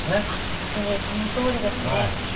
本当にそのとおりですね。